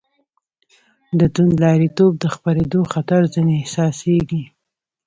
د توندلاریتوب د خپرېدو خطر ځنې احساسېږي.